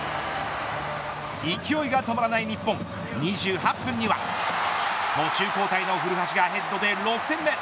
勢いが止まらない日本２８分には途中交代の古橋がヘッドで６点目。